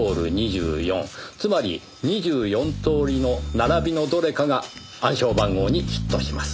つまり２４通りの並びのどれかが暗証番号にヒットします。